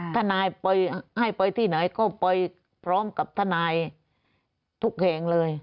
ทนายไปให้ไปที่ไหนก็ไปพร้อมกับทนายทุกแห่งเลย